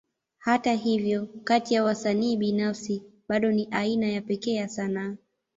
Hata hivyo, kati ya wasanii binafsi, bado ni aina ya pekee ya sanaa.